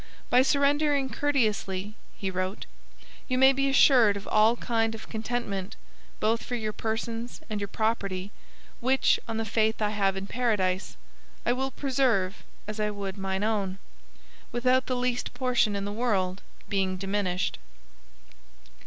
'By surrendering courteously,' he wrote, 'you may be assured of all kind of contentment, both for your persons and your property, which, on the faith I have in Paradise, I will preserve as I would mine own, without the least portion in the world being diminished.'